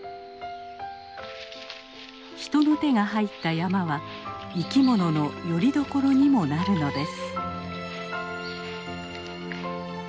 人の手が入った山は生き物のよりどころにもなるのです。